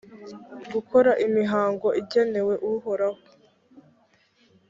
gukora imihango igenewe uhoraho,